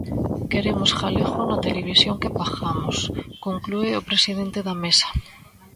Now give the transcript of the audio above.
"Queremos galego na televisión que pagamos", conclúe o presidente da Mesa.